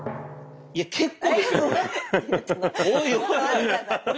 いや結構ですよこれ。